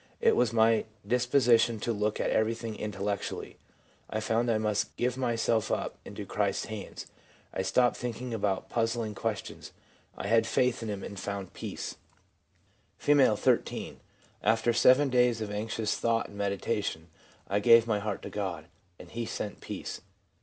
It was my disposition to look at everything intellectually. I found I must give myself up into Christ's hands. I stopped thinking about puzzling questions ; I had faith in Him, and found peace/ F., 13. ■ After seven days of anxious thought and medi tation, I gave my heart to God, and He sent peace.